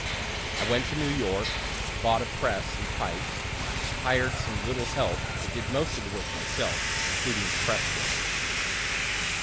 I went to New York, bought a press and types, hired some little help, but did most of the work myself, including the press work.